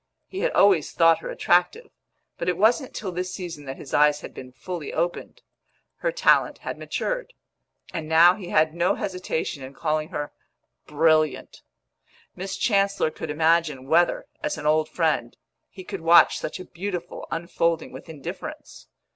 He had always thought her attractive, but it wasn't till this season that his eyes had been fully opened. Her talent had matured, and now he had no hesitation in calling her brilliant. Miss Chancellor could imagine whether, as an old friend, he could watch such a beautiful unfolding with indifference.